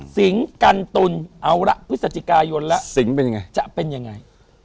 สิงค์กันตุลเอาละพฤศจิกายนละจะเป็นยังไง